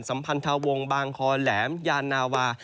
สัมพันธวงศ์บางคอแหลมยานาวา